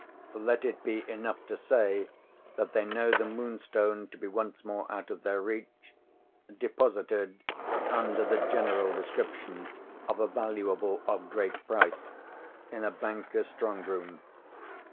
Let it be enough to say that they know the Moonstone to be once more out of their reach; deposited (under the general description of 'a valuable of great price') in a banker's strong room.